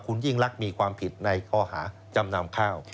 คุณยิ่งลักษณ์มีความผิดในข้อหาจำนำข้าว